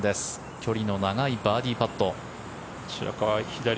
距離の長いバーディーパット。